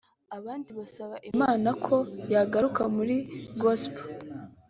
abandi basaba Imana ko yagaruka muri Gospel